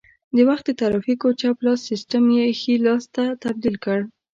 د وخت د ترافیکو چپ لاس سیسټم یې ښي لاس ته تبدیل کړ